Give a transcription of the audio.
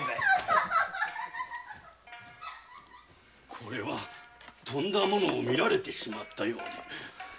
これはとんだ物を見られてしまったようで。